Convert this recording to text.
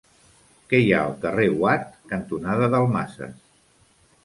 Què hi ha al carrer Watt cantonada Dalmases?